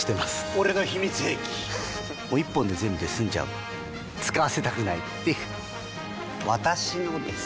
俺の秘密兵器１本で全部済んじゃう使わせたくないっていう私のです！